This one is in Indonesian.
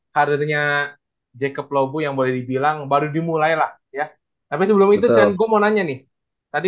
harganya jacob logu yang boleh dibilang baru dimulai lah ya tapi sebelum itu nanya nih tadi